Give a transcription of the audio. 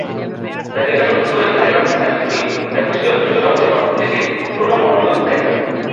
ব্যাসিলিকার সঙ্গে যুক্ত রয়েছে ল্যাটেরান ব্যাপটিস্টরি, যা খ্রীষ্টীয়জগতের সবচেয়ে পুরনো মঠগুলোর মধ্যে একটা।